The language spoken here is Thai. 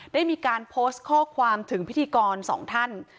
ได้มีการโพสต์ข้อความถึงพิธีกรสองท่าน